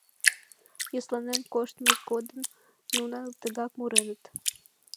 Йӧсланен коштмышт годым нунат тыгак муреныт.